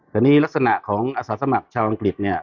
แต่นี่ลักษณะของอาสาสมัครชาวอังกฤษเนี่ย